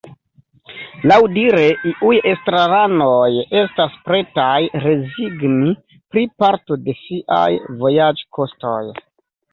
Laŭdire iuj estraranoj estas pretaj rezigni pri parto de siaj vojaĝkostoj.